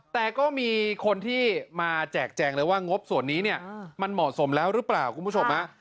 แต่ก็มีคนที่มาแจกแจงเลยว่างบส่วนนี้เนี่ยมันเหมาะสมแล้วหรือเปล่าคุณผู้ชม